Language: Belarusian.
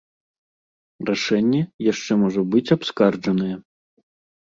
Рашэнне яшчэ можа быць абскарджанае.